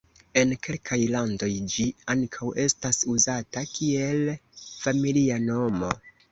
En kelkaj landoj ĝi ankaŭ estas uzata kiel familia nomo.